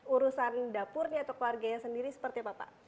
urusan dapurnya atau keluarganya sendiri seperti apa pak